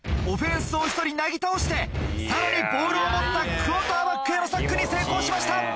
オフェンスを１人なぎ倒してさらにボールを持ったクォーターバックへのサックに成功しました。